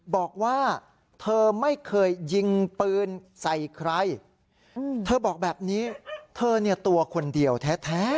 บอกว่าเธอไม่เคยยิงปืนใส่ใครเธอบอกแบบนี้เธอเนี่ยตัวคนเดียวแท้